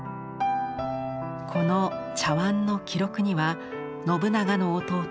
この茶碗の記録には信長の弟